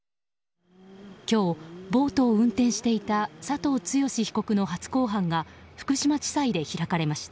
今日、ボートを運転していた佐藤剛被告の初公判が福島地裁で開かれました。